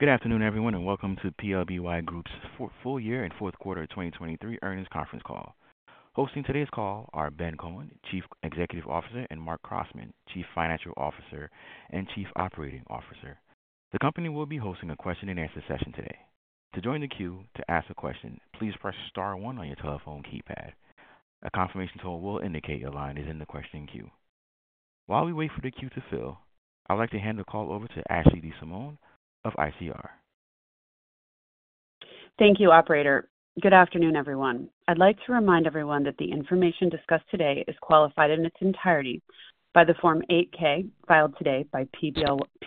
Good afternoon, everyone, and welcome to PLBY Group's full year and fourth quarter of 2023 earnings conference call. Hosting today's call are Ben Kohn, Chief Executive Officer, and Marc Crossman, Chief Financial Officer and Chief Operating Officer. The company will be hosting a question-and-answer session today. To join the queue to ask a question, please press star one on your telephone keypad. A confirmation tone will indicate your line is in the question queue. While we wait for the queue to fill, I'd like to hand the call over to Ashley DeSimone of ICR. Thank you, operator. Good afternoon, everyone. I'd like to remind everyone that the information discussed today is qualified in its entirety by the Form 8-K filed today by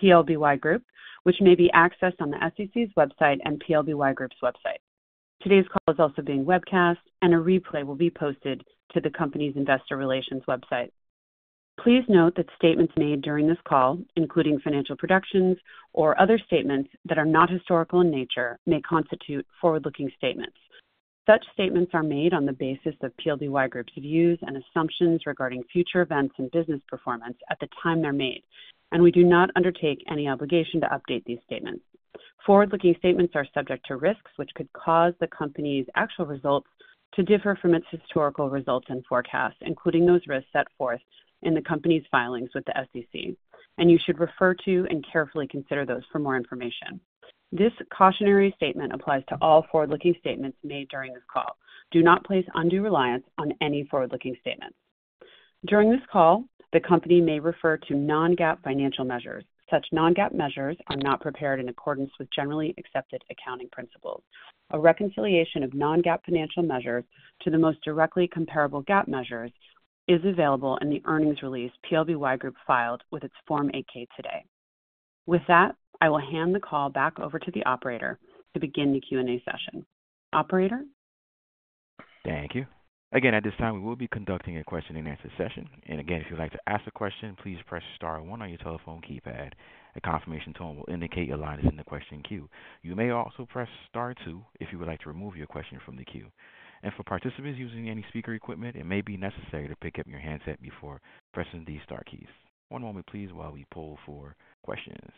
PLBY Group, which may be accessed on the SEC's website and PLBY Group's website. Today's call is also being webcast, and a replay will be posted to the company's investor relations website. Please note that statements made during this call, including financial projections or other statements that are not historical in nature, may constitute forward-looking statements. Such statements are made on the basis of PLBY Group's views and assumptions regarding future events and business performance at the time they're made, and we do not undertake any obligation to update these statements. Forward-looking statements are subject to risks which could cause the company's actual results to differ from its historical results and forecasts, including those risks set forth in the company's filings with the SEC, and you should refer to and carefully consider those for more information. This cautionary statement applies to all forward-looking statements made during this call. Do not place undue reliance on any forward-looking statements. During this call, the company may refer to non-GAAP financial measures. Such non-GAAP measures are not prepared in accordance with generally accepted accounting principles. A reconciliation of non-GAAP financial measures to the most directly comparable GAAP measures is available in the earnings release PLBY Group filed with its Form 8-K today. With that, I will hand the call back over to the operator to begin the Q&A session. Operator? Thank you. Again, at this time, we will be conducting a question-and-answer session. Again, if you'd like to ask a question, please press star one on your telephone keypad. A confirmation tone will indicate your line is in the question queue. You may also press star two if you would like to remove your question from the queue. For participants using any speaker equipment, it may be necessary to pick up your handset before pressing these star keys. One moment, please, while we poll for questions.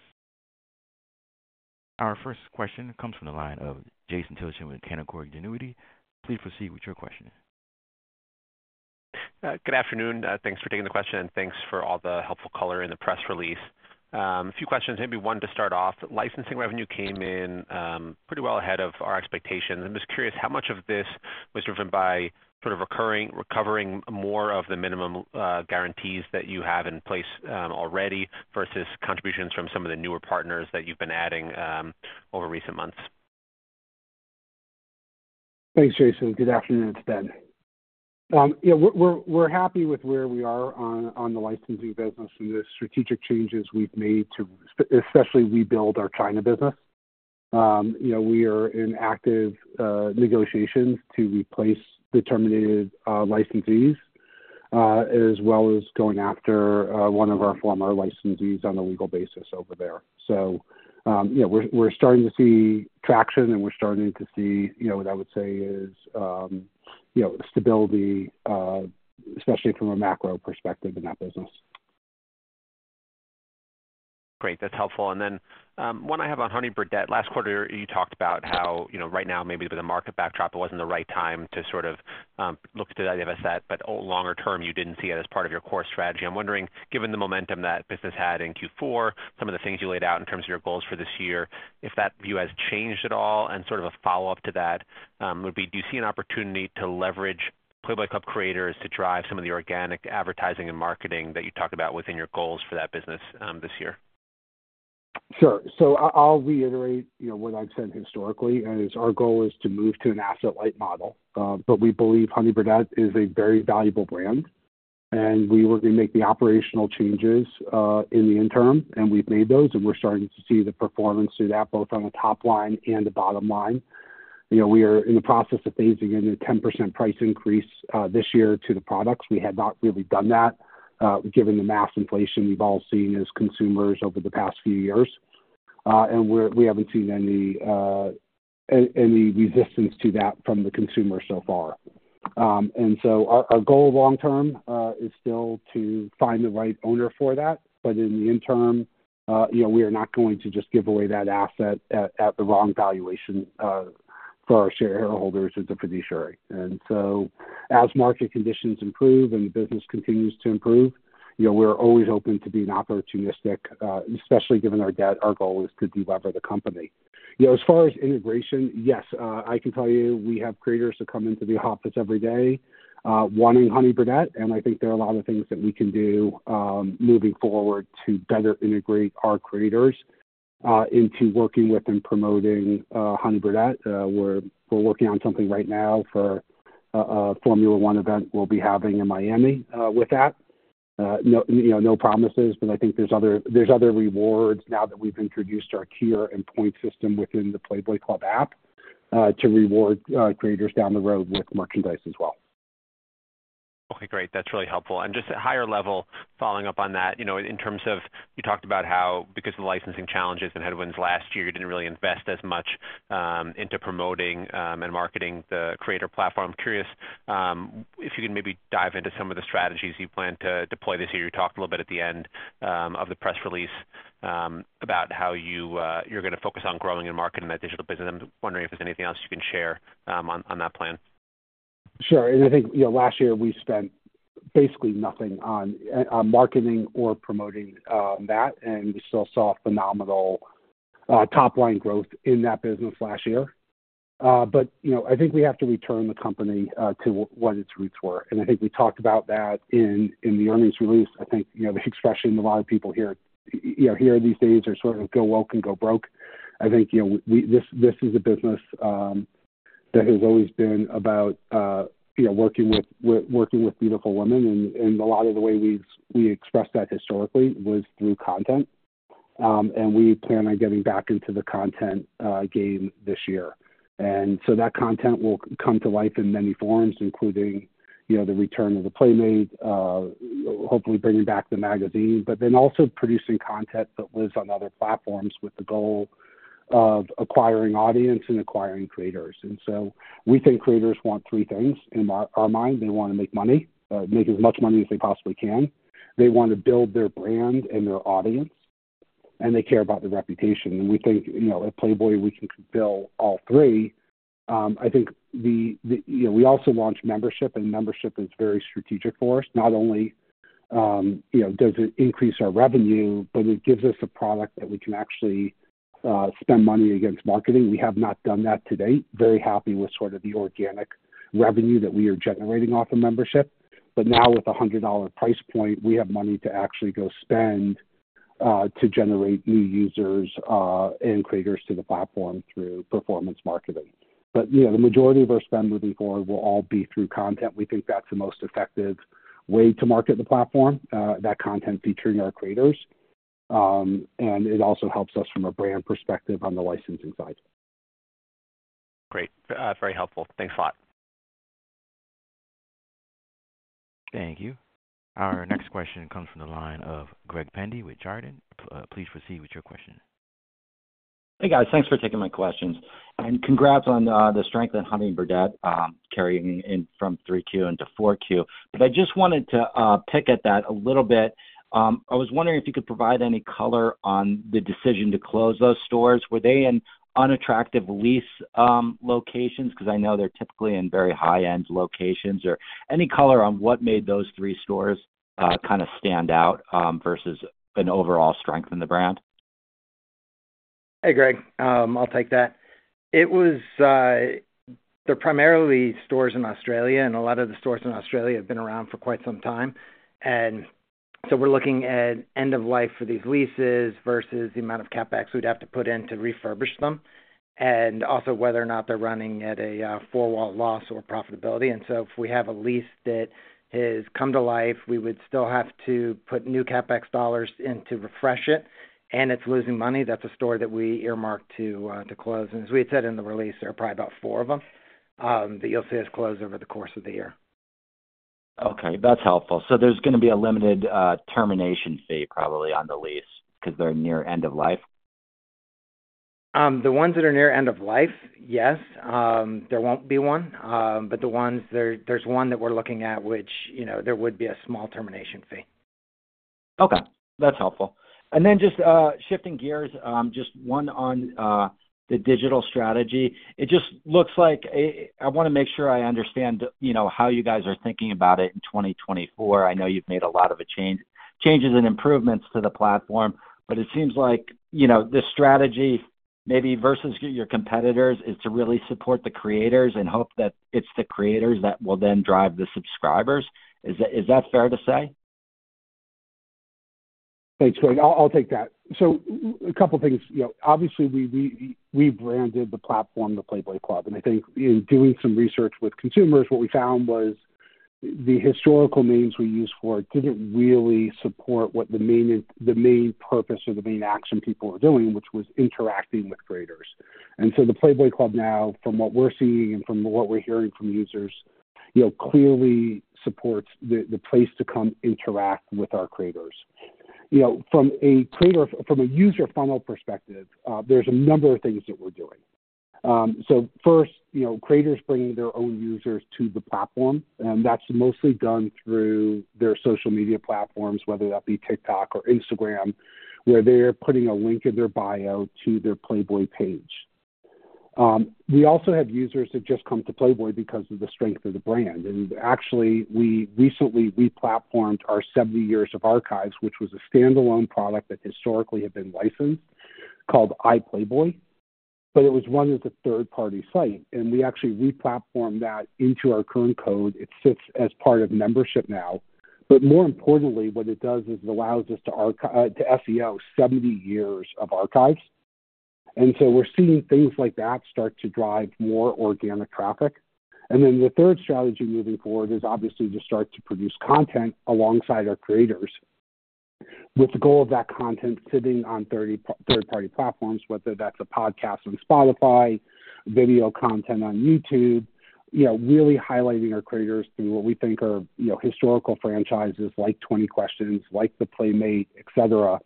Our first question comes from the line of Jason Tilchen with Canaccord Genuity. Please proceed with your question. Good afternoon. Thanks for taking the question, and thanks for all the helpful color in the press release. A few questions, maybe one to start off. Licensing revenue came in pretty well ahead of our expectations. I'm just curious, how much of this was driven by sort of occurring, recovering more of the minimum guarantees that you have in place already versus contributions from some of the newer partners that you've been adding over recent months? Thanks, Jason. Good afternoon. It's Ben. Yeah, we're happy with where we are on the licensing business and the strategic changes we've made to especially rebuild our China business. You know, we are in active negotiations to replace the terminated licensees, as well as going after one of our former licensees on a legal basis over there. So, you know, we're starting to see traction, and we're starting to see what I would say is stability, especially from a macro perspective in that business. Great. That's helpful. And then, one I have on Honey Birdette. Last quarter, you talked about how, you know, right now, maybe with the market backdrop, it wasn't the right time to sort of, look at the idea of asset, but longer term, you didn't see it as part of your core strategy. I'm wondering, given the momentum that business had in Q4, some of the things you laid out in terms of your goals for this year, if that view has changed at all. And sort of a follow-up to that, would be: Do you see an opportunity to leverage Playboy Club creators to drive some of the organic advertising and marketing that you talk about within your goals for that business, this year? Sure. So I'll reiterate, you know, what I've said historically, is our goal is to move to an asset-light model, but we believe Honey Birdette is a very valuable brand, and we were going to make the operational changes in the interim, and we've made those, and we're starting to see the performance through that, both on the top line and the bottom line. You know, we are in the process of phasing in a 10% price increase this year to the products. We had not really done that, given the mass inflation we've all seen as consumers over the past few years. And we haven't seen any resistance to that from the consumer so far. And so our goal long term is still to find the right owner for that. But in the interim, you know, we are not going to just give away that asset at the wrong valuation for our shareholders as a fiduciary. And so, as market conditions improve and the business continues to improve, you know, we're always open to being opportunistic, especially given our debt. Our goal is to delever the company. You know, as far as integration, yes, I can tell you we have creators that come into the office every day wanting Honey Birdette, and I think there are a lot of things that we can do moving forward to better integrate our creators into working with and promoting Honey Birdette. We're working on something right now for a Formula One event we'll be having in Miami with that. You know, no promises, but I think there's other rewards now that we've introduced our tier and point system within the Playboy Club app, to reward creators down the road with merchandise as well. Okay, great. That's really helpful. And just at higher level, following up on that, you know, in terms of you talked about how because of the licensing challenges and headwinds last year, you didn't really invest as much into promoting and marketing the creator platform. Curious, if you can maybe dive into some of the strategies you plan to deploy this year. You talked a little bit at the end of the press release about how you, you're gonna focus on growing and marketing that digital business. I'm wondering if there's anything else you can share on that plan. Sure. And I think, you know, last year we spent basically nothing on, on marketing or promoting, that, and we still saw phenomenal, top line growth in that business last year. But, you know, I think we have to return the company, to what its roots were, and I think we talked about that in, the earnings release. I think, you know, the expression a lot of people hear, you know, hear these days are sort of go woke and go broke. I think, you know, we, this, this is a business, that has always been about, you know, working with, working with beautiful women, and, and a lot of the way we've, we expressed that historically was through content. And we plan on getting back into the content, game this year. And so that content will come to life in many forms, including, you know, the return of the Playmate, hopefully bringing back the magazine, but then also producing content that lives on other platforms with the goal of acquiring audience and acquiring creators. And so we think creators want three things in our mind. They want to make money, make as much money as they possibly can. They want to build their brand and their audience, and they care about their reputation. And we think, you know, at Playboy, we can build all three. I think, you know, we also launched membership, and membership is very strategic for us. Not only, you know, does it increase our revenue, but it gives us a product that we can actually, spend money against marketing. We have not done that to date. Very happy with sort of the organic revenue that we are generating off of membership. But now with a $100 price point, we have money to actually go spend, to generate new users, and creators to the platform through performance marketing. But, you know, the majority of our spend moving forward will all be through content. We think that's the most effective way to market the platform, that content featuring our creators. And it also helps us from a brand perspective on the licensing side. Great. Very helpful. Thanks a lot. Thank you. Our next question comes from the line of Greg Pendy with Chardan. Please proceed with your question. Hey, guys. Thanks for taking my questions, and congrats on the strength in Honey Birdette carrying in from 3Q into 4Q. But I just wanted to pick at that a little bit. I was wondering if you could provide any color on the decision to close those stores. Were they in unattractive lease locations? Because I know they're typically in very high-end locations, or any color on what made those three stores kind of stand out versus an overall strength in the brand? Hey, Greg, I'll take that. It was, they're primarily stores in Australia, and a lot of the stores in Australia have been around for quite some time. And so we're looking at end of life for these leases versus the amount of CapEx we'd have to put in to refurbish them, and also whether or not they're running at a four-wall loss or profitability. And so if we have a lease that has come to life, we would still have to put new CapEx dollars in to refresh it, and it's losing money, that's a store that we earmarked to close. And as we had said in the release, there are probably about four of them that you'll see us close over the course of the year. Okay, that's helpful. So there's gonna be a limited termination fee probably on the lease because they're near end of life? The ones that are near end of life, yes. There won't be one. But there's one that we're looking at, which, you know, there would be a small termination fee. Okay, that's helpful. And then just shifting gears, just one on the digital strategy. It just looks like a... I wanna make sure I understand, you know, how you guys are thinking about it in 2024. I know you've made a lot of changes and improvements to the platform, but it seems like, you know, this strategy, maybe versus your competitors, is to really support the creators and hope that it's the creators that will then drive the subscribers. Is that, is that fair to say? Thanks, Greg. I'll take that. So a couple of things. You know, obviously, we rebranded the platform, the Playboy Club, and I think in doing some research with consumers, what we found was the historical names we used for it didn't really support what the main purpose or the main action people were doing, which was interacting with creators. And so the Playboy Club now, from what we're seeing and from what we're hearing from users, you know, clearly supports the place to come interact with our creators. You know, from a creator, from a user funnel perspective, there's a number of things that we're doing. So first, you know, creators bringing their own users to the platform, and that's mostly done through their social media platforms, whether that be TikTok or Instagram, where they're putting a link in their bio to their Playboy page. We also have users that just come to Playboy because of the strength of the brand. And actually, we recently replatformed our 70 years of archives, which was a standalone product that historically had been licensed, called iPlayboy, but it was run as a third-party site, and we actually replatformed that into our current code. It sits as part of membership now. But more importantly, what it does is it allows us to SEO 70 years of archives. And so we're seeing things like that start to drive more organic traffic. And then the third strategy moving forward is obviously to start to produce content alongside our creators. With the goal of that content sitting on third-party platforms, whether that's a podcast on Spotify, video content on YouTube, you know, really highlighting our creators through what we think are, you know, historical franchises like Twenty Questions, like the Playmate, et cetera,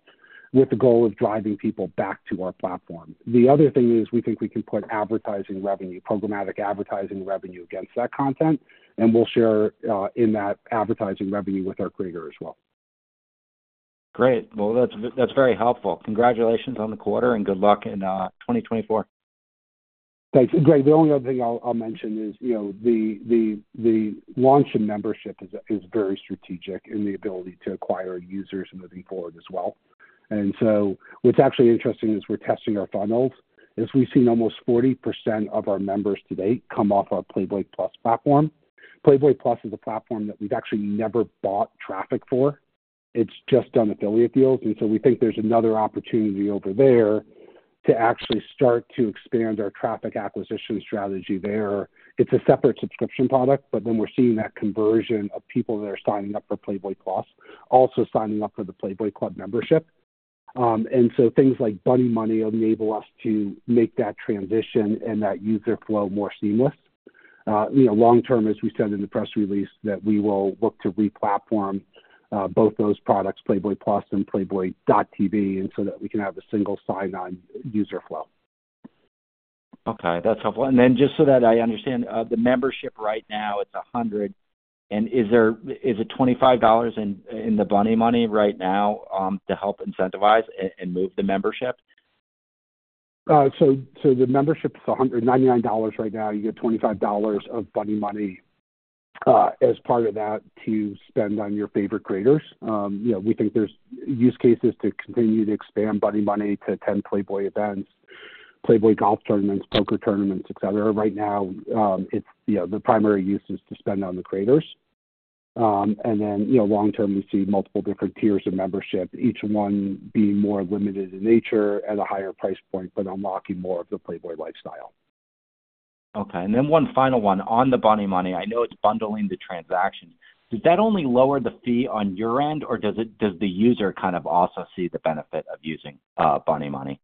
with the goal of driving people back to our platform. The other thing is we think we can put advertising revenue, programmatic advertising revenue against that content, and we'll share in that advertising revenue with our creator as well. Great. Well, that's, that's very helpful. Congratulations on the quarter, and good luck in 2024. Thanks, Greg. The only other thing I'll mention is, you know, the launch in membership is very strategic in the ability to acquire users moving forward as well. And so what's actually interesting is we're testing our funnels. As we've seen, almost 40% of our members today come off our Playboy Plus platform. Playboy Plus is a platform that we've actually never bought traffic for. It's just on affiliate deals, and so we think there's another opportunity over there to actually start to expand our traffic acquisition strategy there. It's a separate subscription product, but then we're seeing that conversion of people that are signing up for Playboy Plus, also signing up for the Playboy Club membership. And so things like Bunny Money enable us to make that transition and that user flow more seamless. You know, long term, as we said in the press release, that we will look to re-platform both those products, Playboy Plus and Playboy.tv, and so that we can have a single sign-on user flow. Okay, that's helpful. And then, just so that I understand, the membership right now, it's 100, and is there, is it $25 in the Bunny Money right now, to help incentivize and move the membership? So, the membership is $199 right now. You get $25 of Bunny Money as part of that to spend on your favorite creators. You know, we think there's use cases to continue to expand Bunny Money to attend Playboy events, Playboy golf tournaments, poker tournaments, et cetera. Right now, it's, you know, the primary use is to spend on the creators. And then, you know, long term, we see multiple different tiers of membership, each one being more limited in nature at a higher price point, but unlocking more of the Playboy lifestyle. Okay, and then one final one on the Bunny Money. I know it's bundling the transaction. Does that only lower the fee on your end, or does it—does the user kind of also see the benefit of using Bunny Money?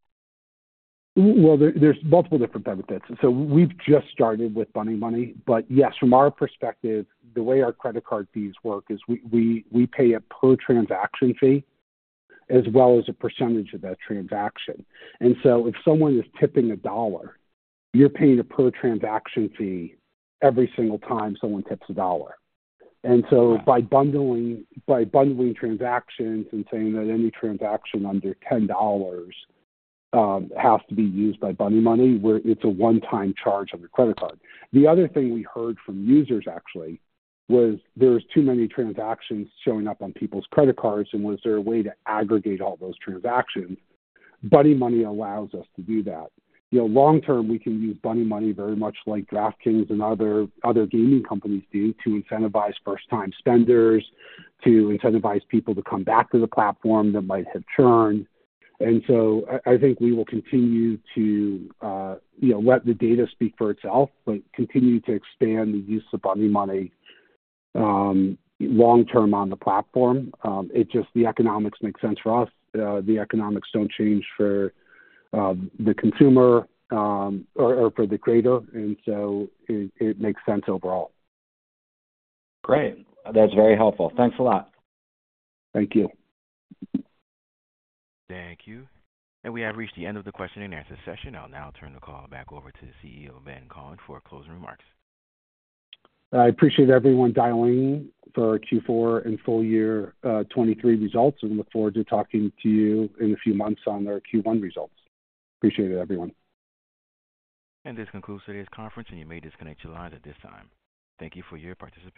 Well, there's multiple different benefits. So we've just started with Bunny Money. But yes, from our perspective, the way our credit card fees work is we pay a per transaction fee as well as a percentage of that transaction. And so if someone is tipping $1, you're paying a per transaction fee every single time someone tips $1. And so by bundling transactions and saying that any transaction under $10 has to be used by Bunny Money, where it's a one-time charge on your credit card. The other thing we heard from users, actually, was there was too many transactions showing up on people's credit cards, and was there a way to aggregate all those transactions? Bunny Money allows us to do that. You know, long term, we can use Bunny Money very much like DraftKings and other gaming companies do to incentivize first-time spenders, to incentivize people to come back to the platform that might have churned. And so I think we will continue to, you know, let the data speak for itself, but continue to expand the use of Bunny Money long term on the platform. It's just the economics make sense for us. The economics don't change for the consumer or for the creator, and so it makes sense overall. Great. That's very helpful. Thanks a lot. Thank you. Thank you. And we have reached the end of the question and answer session. I'll now turn the call back over to the CEO, Ben Kohn, for closing remarks. I appreciate everyone dialing in for our Q4 and full year 2023 results, and we look forward to talking to you in a few months on our Q1 results. Appreciate it, everyone. This concludes today's conference, and you may disconnect your lines at this time. Thank you for your participation.